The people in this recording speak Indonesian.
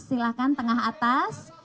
silahkan tengah atas